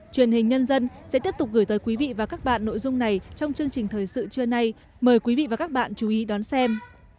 truyền hình nhân dân sẽ tiếp tục gửi tới quý vị và các bạn nội dung này trong chương trình thời sự trưa nay mời quý vị và các bạn chú ý đón xem